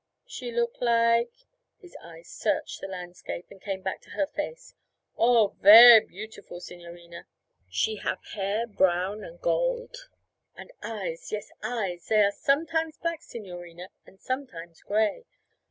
'She look like ' His eyes searched the landscape and came back to her face. 'Oh, ver' beautiful, signorina. She have hair brown and gold, and eyes yes, eyes! Zay are sometimes black, signorina, and sometimes grey.